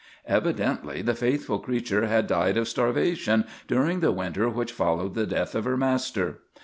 Evidently the faithful creature had died of starvation during the winter which followed the death of her master.